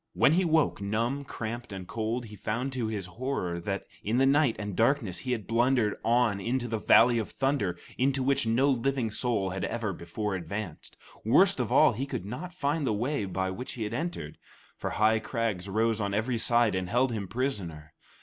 When he woke, numb, cramped, and cold, he found to his horror that in the night and darkness he had blundered on into the Valley of Thunder, into which no living soul had ever before advanced. Worst of all, he could not find the way by which he had entered, for high crags rose on every side and held him prisoner.